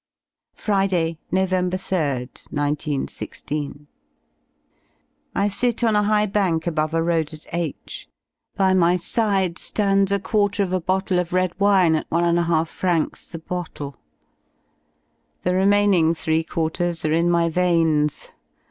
Friday y Nov. 3rd, 1 9 1 6. I sit on a high bank above a road at H By my side ^ands a quarter of a bottle of red wine at i. 50 francs the bottle. The remaining three quarters are in my veins.